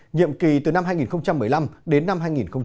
nhiệm kỳ từ năm hai nghìn một mươi năm đến năm hai nghìn hai mươi